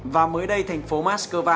và mới đây thành phố moscow